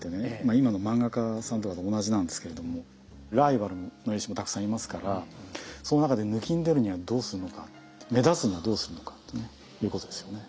今の漫画家さんとかと同じなんですけれどもライバルの絵師もたくさんいますからその中でぬきんでるにはどうするのか目立つにはどうするのかってねいうことですよね。